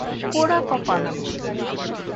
পোড়া কপাল আমার!